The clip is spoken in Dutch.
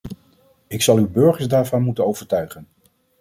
U zal uw burgers daarvan moeten overtuigen.